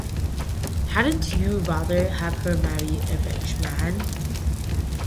Hadn't you rather have her marry a rich man?